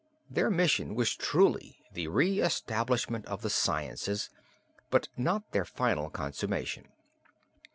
Their mission was truly the reestablishment of the sciences, but not their final consummation.